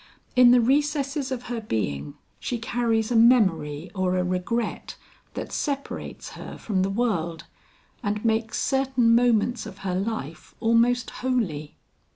In the recesses of her being she carries a memory or a regret that separates her from the world and makes certain moments of her life almost holy."